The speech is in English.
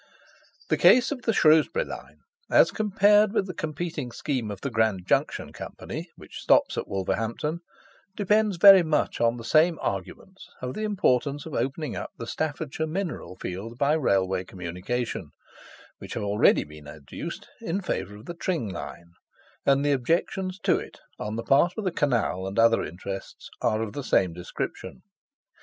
The case of the Shrewsbury line, as compared with the competing scheme of the Grand Junction Company, which stops at Wolverhampton, depends very much on the same arguments, of the importance of opening up the Staffordshire mineral field by Railway communication, which have been already adduced in favour of the Tring line; and the objections to it on the part of the Canal and other interests are of the same description.